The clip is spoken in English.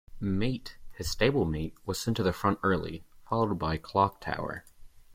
Mate, his stablemate, was sent to the front early, followed by Clock Tower.